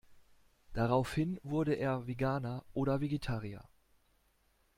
Daraufhin wurde er Veganer oder Vegetarier.